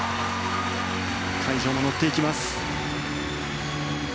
会場も乗っていきます。